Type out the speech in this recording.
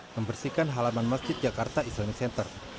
membersihkan halaman masjid jakarta islamic center